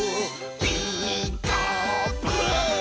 「ピーカーブ！」